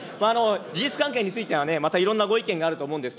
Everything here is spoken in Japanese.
事実関係についてはまたいろんなご意見があると思うんです、